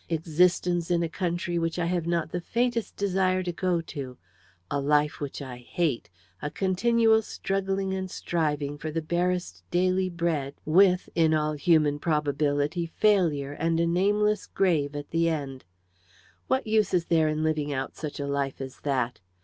Existence in a country which I have not the faintest desire to go to; a life which I hate; a continual struggling and striving for the barest daily bread, with, in all human probability, failure, and a nameless grave at the end. What use is there in living out such a life as that?